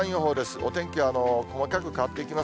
お天気は細かく変わっていきます。